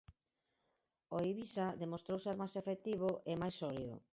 O Eivisa demostrou ser máis efectivo e máis sólido.